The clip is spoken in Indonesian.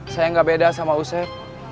saya nggak beda sama usep